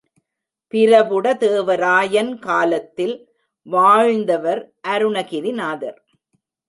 பிரபுடதேவராயன் காலத்தில் வாழ்ந்தவர் அருணகிரிநாதர்.